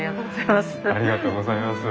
ありがとうございます。